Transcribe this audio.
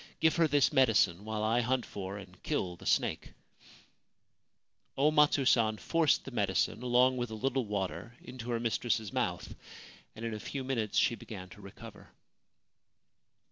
Give her this medicine, while I hunt for and kill the snake/ O Matsu San forced the medicine, along with a little water, into her mistress's mouth, and in a few minutes she began to recover.